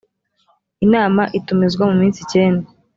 inama itumizwa mu minsi icyenda